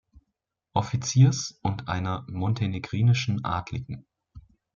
Offiziers und einer montenegrinischen Adligen.